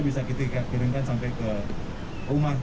bisa kita kirimkan sampai ke rumah